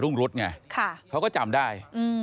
รุ่งรุทไงค่ะเขาก็จำได้อืม